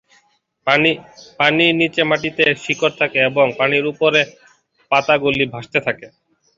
পানির নিচে মাটিতে এর শিকড় থাকে এবং পানির উপর পাতা গুলি ভাসতে থাকে।